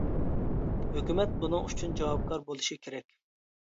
ھۆكۈمەت بۇنىڭ ئۈچۈن جاۋابكار بولۇشى كېرەك.